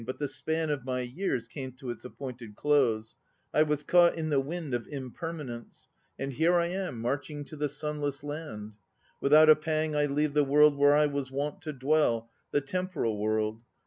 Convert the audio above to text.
But the span of my years came to its ap pointed close; I was caught in the Wind of Impermanence; and here I am, marching to the Sunless Land. Without a pang I leave the world where I was wont to dwell, The Temporal World.